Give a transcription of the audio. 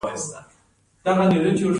د زابل په میزانه کې د څه شي نښې دي؟